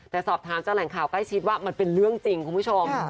แต่สอบถามจากแหล่งข่าวใกล้ชิดว่ามันเป็นเรื่องจริงคุณผู้ชม